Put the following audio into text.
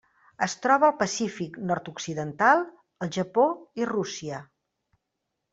Es troba al Pacífic nord-occidental: el Japó i Rússia.